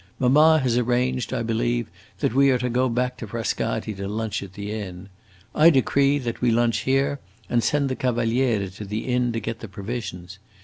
Mamma has arranged, I believe, that we are to go back to Frascati to lunch at the inn. I decree that we lunch here and send the Cavaliere to the inn to get the provisions!